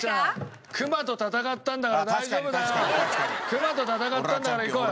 熊と戦ったんだからいこうよ。